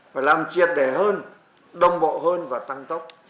phải làm triệt đề hơn đồng bộ hơn và tăng tốc